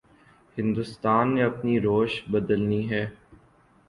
ہندوستان نے اپنی روش بدلنی ہے۔